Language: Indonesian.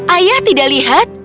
ayah tidak lihat